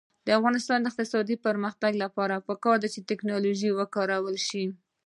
د افغانستان د اقتصادي پرمختګ لپاره پکار ده چې ټیکنالوژي وکارول شي.